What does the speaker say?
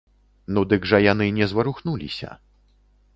Ну дык жа яны не зварухнуліся.